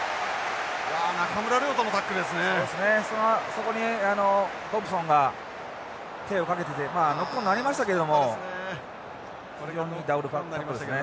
そこにトンプソンが手をかけていてまあノックオンなりましたけども非常にいいダブルタックルですね。